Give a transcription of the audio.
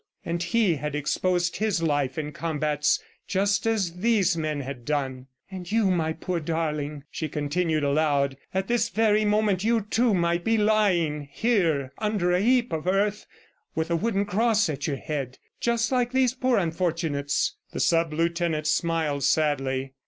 And he had exposed his life in combats just as these men had done! ... "And you, my poor darling," she continued aloud. "At this very moment you, too, might be lying here under a heap of earth with a wooden cross at your head, just like these poor unfortunates!" The sub lieutenant smiled sadly.